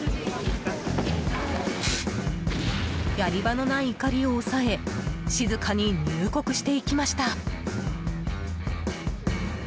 やり場のない怒りを抑え静かに入国していきました。